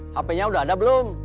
hp nya sudah ada belum